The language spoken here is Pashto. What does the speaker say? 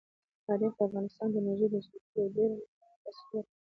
تاریخ د افغانستان د انرژۍ د سکتور یوه ډېره مهمه او اساسي برخه ده.